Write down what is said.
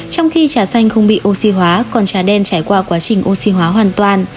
trong khi trà xanh không bị oxy hóa còn trà đen trải qua quá trình oxy hóa hoàn toàn